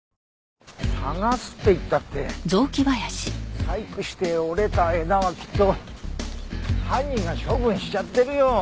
探すって言ったって細工して折れた枝はきっと犯人が処分しちゃってるよ。